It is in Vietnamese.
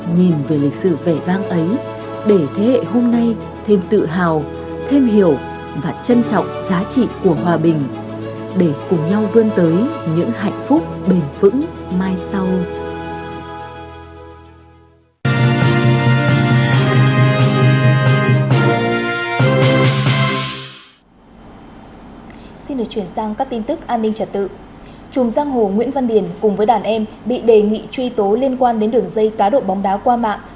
nhìn về lịch sử vẻ vang ấy để thế hệ hôm nay thêm tự hào thêm hiểu và trân trọng giá trị của hòa bình để cùng nhau vươn tới những hạnh phúc bền vững mai sau